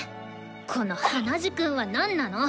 この鼻血くんはなんなの？